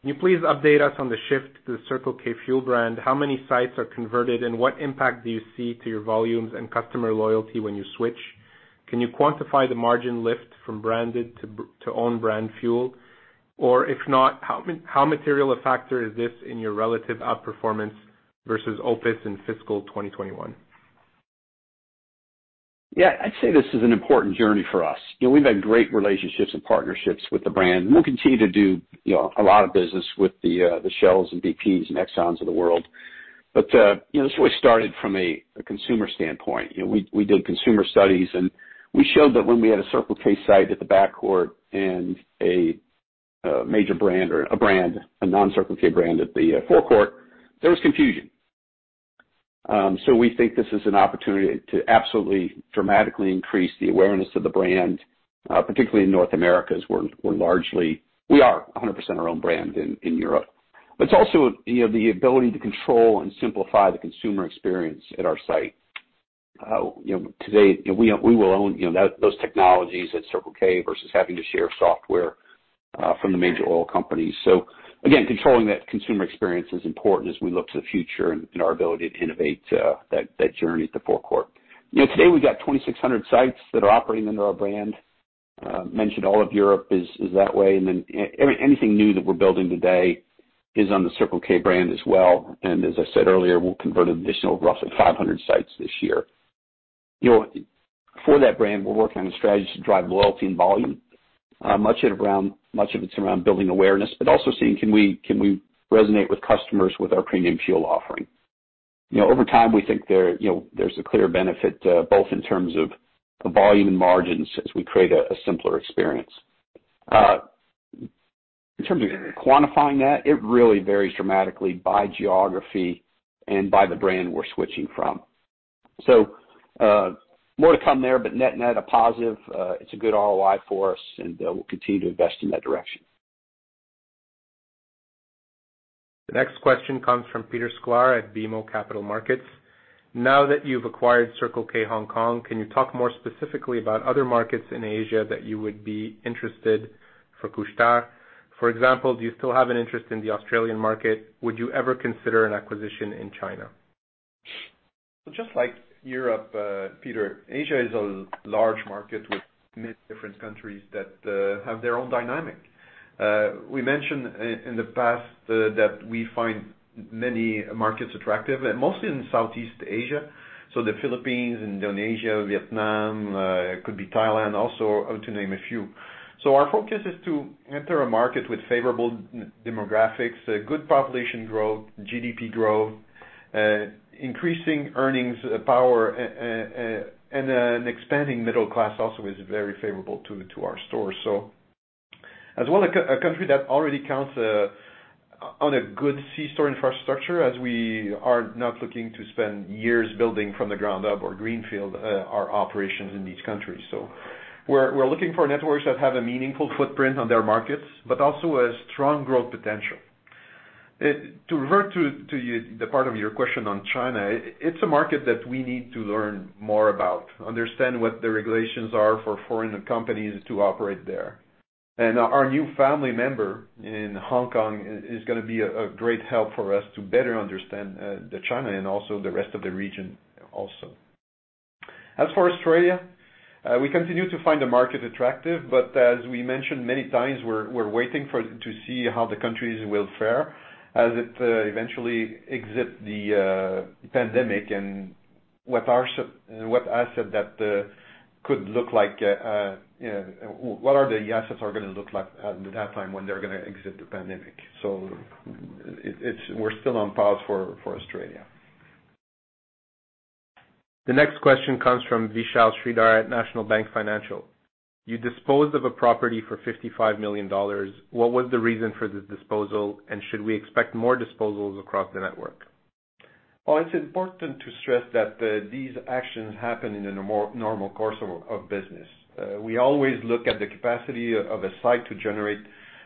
Speaker 1: Can you please update us on the shift to the Circle K Fuel brand? How many sites are converted, and what impact do you see to your volumes and customer loyalty when you switch? Can you quantify the margin lift from branded to own brand fuel? If not, how material a factor is this in your relative outperformance versus OPIS in fiscal 2021?
Speaker 2: Yeah. I'd say this is an important journey for us. We've had great relationships and partnerships with the brand, and we'll continue to do a lot of business with the Shells and BPs and Exxons of the world. This really started from a consumer standpoint. We did consumer studies, and we showed that when we had a Circle K site at the back court and a major brand or a brand, a non-Circle K brand at the forecourt, there was confusion. We think this is an opportunity to absolutely dramatically increase the awareness of the brand, particularly in North America, as we are 100% our own brand in Europe. It's also the ability to control and simplify the consumer experience at our site. Today, we will own those technologies at Circle K versus having to share software from the major oil companies. Again, controlling that consumer experience is important as we look to the future and our ability to innovate that journey at the forecourt. Today, we've got 2,600 sites that are operating under our brand. Mentioned all of Europe is that way, and then anything new that we're building today is on the Circle K brand as well, and as I said earlier, we'll convert an additional roughly 500 sites this year. For that brand, we're working on a strategy to drive loyalty and volume. Much of it's around building awareness, but also seeing can we resonate with customers with our premium fuel offering. Over time, we think there's a clear benefit both in terms of volume and margins as we create a simpler experience. In terms of quantifying that, it really varies dramatically by geography and by the brand we're switching from. More to come there, but net a positive. It's a good ROI for us, and we'll continue to invest in that direction.
Speaker 1: The next question comes from Peter Sklar at BMO Capital Markets. Now that you've acquired Circle K Hong Kong, can you talk more specifically about other markets in Asia that you would be interested for Couche-Tard? For example, do you still have an interest in the Australian market? Would you ever consider an acquisition in China?
Speaker 3: Just like Europe, Peter, Asia is a large market with many different countries that have their own dynamic. We mentioned in the past that we find many markets attractive, mostly in Southeast Asia, so the Philippines, Indonesia, Vietnam, could be Thailand also, to name a few. Our focus is to enter a market with favorable demographics, good population growth, GDP growth, increasing earnings power, and an expanding middle class also is very favorable to our stores. As well a country that already counts on a good C-store infrastructure, as we are not looking to spend years building from the ground up or greenfield our operations in these countries. We're looking for networks that have a meaningful footprint on their markets, but also a strong growth potential. To revert to the part of your question on China, it's a market that we need to learn more about, understand what the regulations are for foreign companies to operate there. Our new family member in Hong Kong is going to be a great help for us to better understand China and also the rest of the region also. As for Australia, we continue to find the market attractive, but, as we mentioned many times, we're waiting to see how the countries will fare as it eventually exits the pandemic and what asset that could look like. What are the assets going to look like at that time when they're going to exit the pandemic. We're still on pause for Australia.
Speaker 1: The next question comes from Vishal Shreedhar at National Bank Financial. You disposed of a property for 55 million dollars. What was the reason for this disposal, and should we expect more disposals across the network?
Speaker 3: Well, it's important to stress that these actions happen in the normal course of business. We always look at the capacity of a site to generate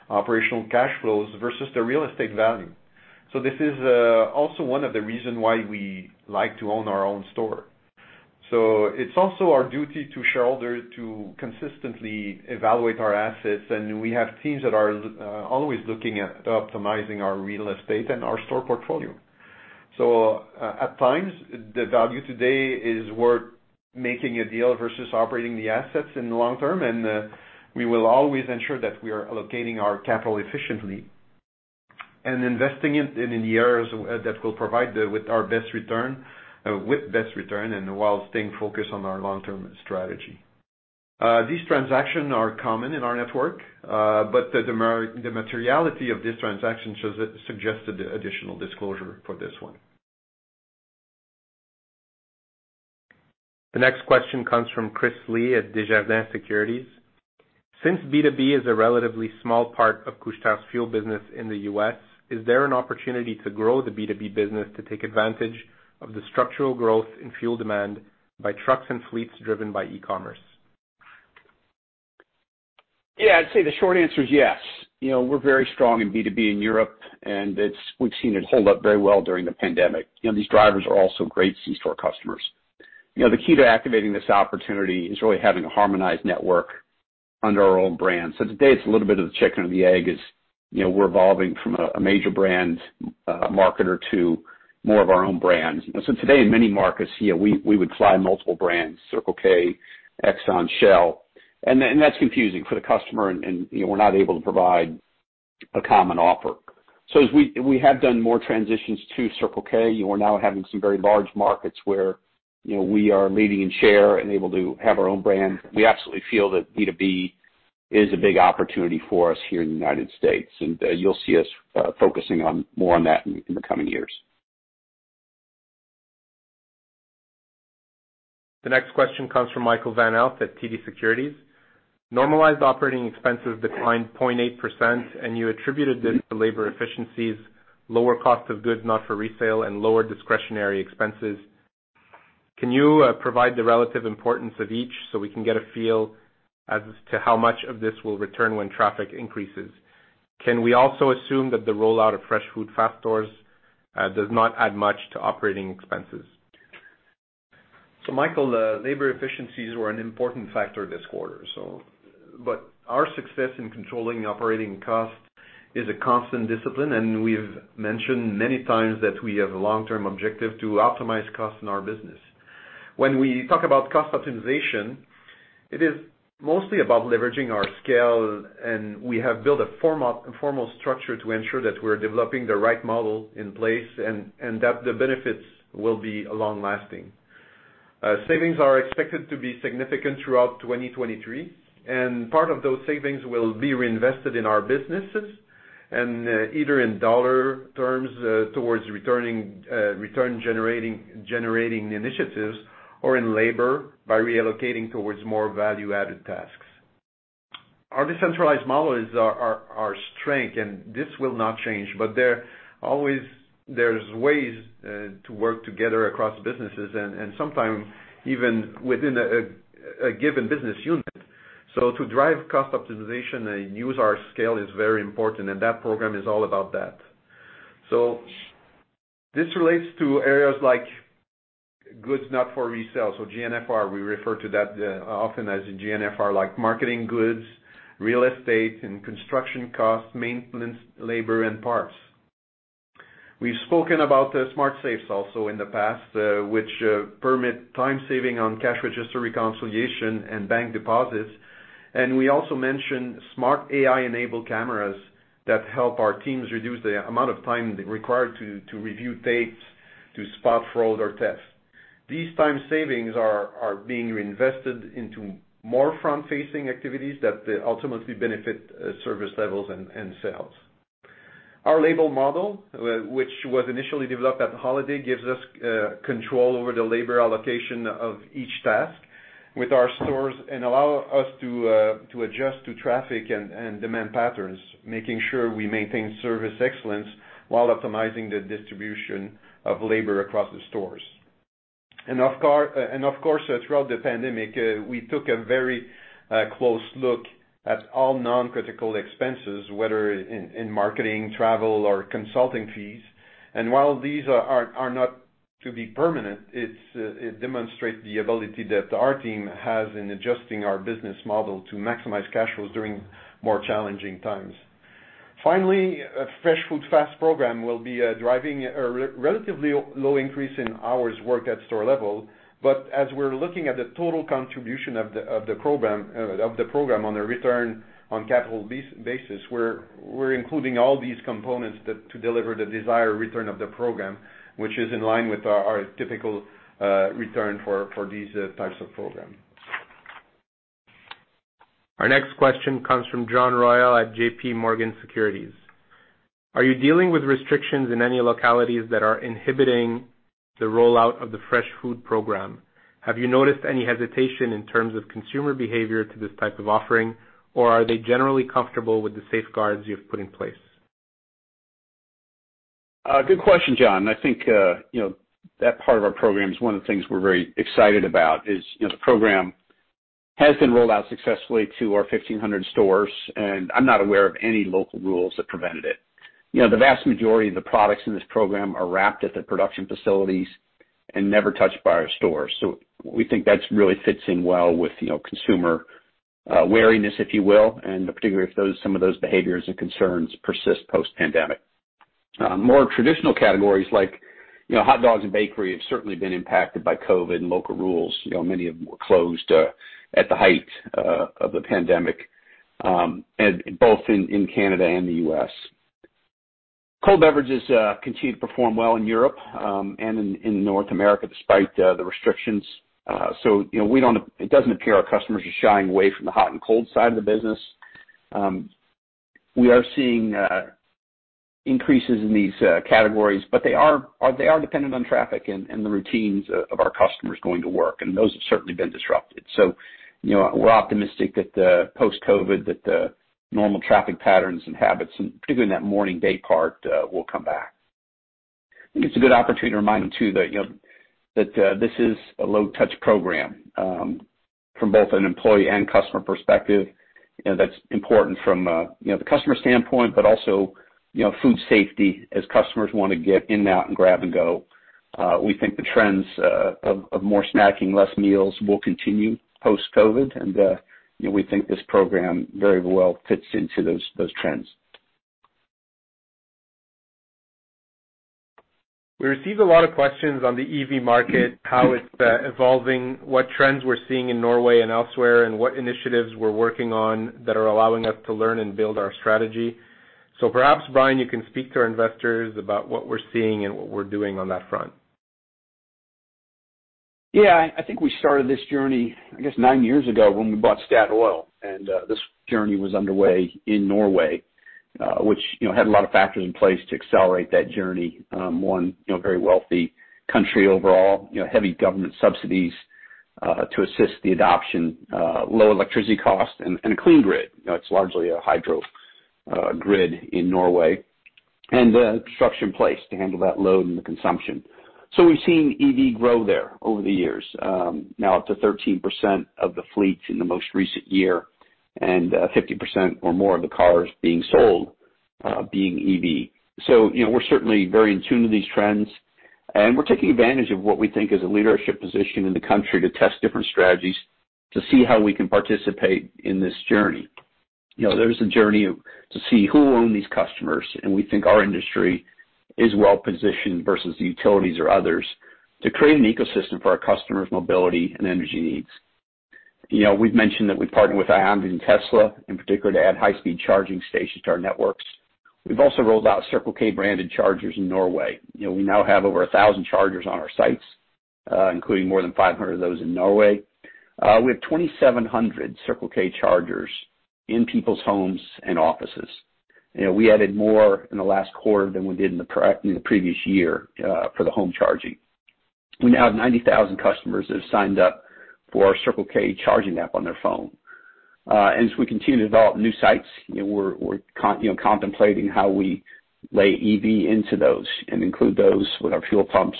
Speaker 3: operational cash flows versus the real estate value. This is also one of the reason why we like to own our own store. It's also our duty to shareholders to consistently evaluate our assets, and we have teams that are always looking at optimizing our real estate and our store portfolio. At times, the value today is worth making a deal versus operating the assets in the long term, and we will always ensure that we are allocating our capital efficiently and investing it in the areas that will provide with best return, and while staying focused on our long-term strategy. These transactions are common in our network, but the materiality of this transaction suggested additional disclosure for this one.
Speaker 1: The next question comes from Chris Li at Desjardins Securities. Since B2B is a relatively small part of Couche-Tard's fuel business in the U.S., is there an opportunity to grow the B2B business to take advantage of the structural growth in fuel demand by trucks and fleets driven by e-commerce?
Speaker 2: Yeah, I'd say the short answer is yes. We're very strong in B2B in Europe, and we've seen it hold up very well during the pandemic. These drivers are also great C-store customers. Today, it's a little bit of the chicken and the egg, as we're evolving from a major brand marketer to more of our own brands. Today in many markets, we would fly multiple brands, Circle K, Exxon, Shell, and that's confusing for the customer, and we're not able to provide a common offer. As we have done more transitions to Circle K, we're now having some very large markets where we are leading in share and able to have our own brand. We absolutely feel that B2B is a big opportunity for us here in the United States, and you'll see us focusing more on that in the coming years.
Speaker 1: The next question comes from Michael Van Aelst at TD Securities. Normalized operating expenses declined 0.8%, you attributed this to labor efficiencies, lower cost of goods not for resale, and lower discretionary expenses. Can you provide the relative importance of each so we can get a feel as to how much of this will return when traffic increases? Can we also assume that the rollout of Fresh Food, Fast stores does not add much to operating expenses?
Speaker 3: Michael, labor efficiencies were an important factor this quarter. Our success in controlling operating cost is a constant discipline, and we've mentioned many times that we have a long-term objective to optimize costs in our business. When we talk about cost optimization, it is mostly about leveraging our scale, and we have built a formal structure to ensure that we're developing the right model in place, and that the benefits will be long-lasting. Savings are expected to be significant throughout 2023, and part of those savings will be reinvested in our businesses, and either in dollar terms towards return-generating initiatives or in labor by reallocating towards more value-added tasks. Our decentralized model is our strength, and this will not change. There's ways to work together across businesses, and sometimes even within a given business unit. To drive cost optimization and use our scale is very important, and that program is all about that. This relates to areas like goods not for resale, so GNFR, we refer to that often as GNFR, like marketing goods, real estate and construction costs, maintenance, labor, and parts. We've spoken about Smart Safes also in the past, which permit time saving on cash register reconciliation and bank deposits. We also mentioned smart AI-enabled cameras that help our teams reduce the amount of time required to review tapes, to spot fraud or theft. These time savings are being reinvested into more front-facing activities that ultimately benefit service levels and sales. Our labor model, which was initially developed at Holiday, gives us control over the labor allocation of each task with our stores and allow us to adjust to traffic and demand patterns, making sure we maintain service excellence while optimizing the distribution of labor across the stores. Of course, throughout the pandemic, we took a very close look at all non-critical expenses, whether in marketing, travel, or consulting fees. While these are not to be permanent, it demonstrate the ability that our team has in adjusting our business model to maximize cash flows during more challenging times. Finally, Fresh Food, Fast program will be driving a relatively low increase in hours worked at store level. As we're looking at the total contribution of the program on a return on capital basis, we're including all these components to deliver the desired return of the program, which is in line with our typical return for these types of program.
Speaker 1: Our next question comes from John Royall at JPMorgan Securities. Are you dealing with restrictions in any localities that are inhibiting the rollout of the fresh food program? Have you noticed any hesitation in terms of consumer behavior to this type of offering, or are they generally comfortable with the safeguards you've put in place?
Speaker 2: Good question, John. I think that part of our program is one of the things we're very excited about is, the program has been rolled out successfully to our 1,500 stores, and I'm not aware of any local rules that prevented it. The vast majority of the products in this program are wrapped at the production facilities and never touched by our stores. We think that really fits in well with consumer wariness, if you will, and particularly if some of those behaviors and concerns persist post-pandemic. More traditional categories like hot dogs and bakery have certainly been impacted by COVID and local rules. Many of them were closed at the height of the pandemic, both in Canada and the U.S. Cold beverages continue to perform well in Europe, and in North America despite the restrictions. It doesn't appear our customers are shying away from the hot and cold side of the business. We are seeing increases in these categories, but they are dependent on traffic and the routines of our customers going to work, and those have certainly been disrupted. We're optimistic that post-COVID, that the normal traffic patterns and habits, and particularly in that morning day part, will come back. I think it's a good opportunity to remind them too that this is a low touch program, from both an employee and customer perspective. That's important from the customer standpoint, but also food safety as customers want to get in and out and grab and go. We think the trends of more snacking, less meals will continue post-COVID, and we think this program very well fits into those trends.
Speaker 1: We received a lot of questions on the EV market, how it's evolving, what trends we're seeing in Norway and elsewhere, and what initiatives we're working on that are allowing us to learn and build our strategy. Perhaps, Brian, you can speak to our investors about what we're seeing and what we're doing on that front.
Speaker 2: Yeah. I think we started this journey, I guess, nine years ago when we bought Statoil, and this journey was underway in Norway, which had a lot of factors in place to accelerate that journey. One, very wealthy country overall, heavy government subsidies to assist the adoption, low electricity cost and a clean grid. It's largely a hydro grid in Norway. The structure in place to handle that load and the consumption. We've seen EV grow there over the years, now up to 13% of the fleet in the most recent year, and 50% or more of the cars being sold being EV. We're certainly very in tune to these trends, and we're taking advantage of what we think is a leadership position in the country to test different strategies to see how we can participate in this journey. There's a journey to see who own these customers, and we think our industry is well positioned versus the utilities or others to create an ecosystem for our customers' mobility and energy needs. We've mentioned that we partnered with Ionity and Tesla in particular to add high-speed charging stations to our networks. We've also rolled out Circle K branded chargers in Norway. We now have over 1,000 chargers on our sites, including more than 500 of those in Norway. We have 2,700 Circle K chargers in people's homes and offices. We added more in the last quarter than we did in the previous year for the home charging. We now have 90,000 customers that have signed up for our Circle K charging app on their phone. As we continue to develop new sites, we're contemplating how we lay EV into those and include those with our fuel pumps,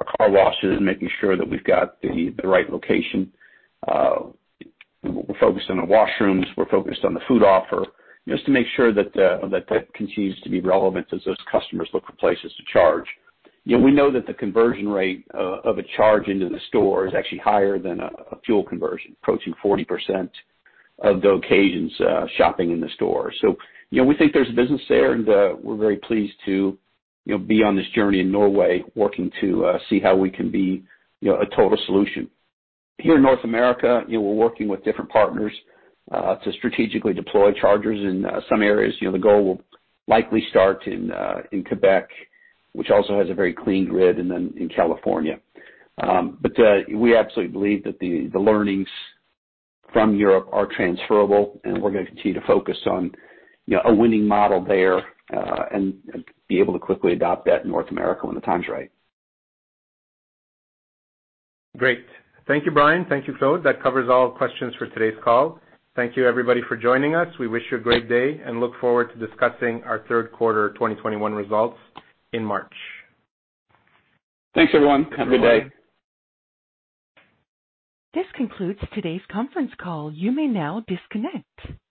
Speaker 2: our car washes, making sure that we've got the right location. We're focused on the washrooms, we're focused on the food offer, just to make sure that that continues to be relevant as those customers look for places to charge. We know that the conversion rate of a charge into the store is actually higher than a fuel conversion, approaching 40% of the occasions shopping in the store. We think there's a business there, and we're very pleased to be on this journey in Norway, working to see how we can be a total solution. Here in North America, we're working with different partners to strategically deploy chargers in some areas. The goal will likely start in Quebec, which also has a very clean grid, and then in California. We absolutely believe that the learnings from Europe are transferable, and we're going to continue to focus on a winning model there, and be able to quickly adopt that in North America when the time's right.
Speaker 1: Great. Thank you, Brian. Thank you, Claude. That covers all questions for today's call. Thank you everybody for joining us. We wish you a great day and look forward to discussing our third quarter 2021 results in March.
Speaker 2: Thanks, everyone. Have a good day.
Speaker 1: Thanks, everyone.
Speaker 4: This concludes today's conference call. You may now disconnect.